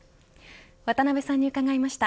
渡辺さんに伺いました。